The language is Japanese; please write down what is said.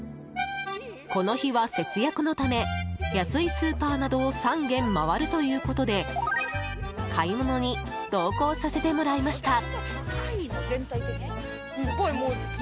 この日は節約のため安いスーパーなどを３軒回るということで買い物に同行させてもらいました。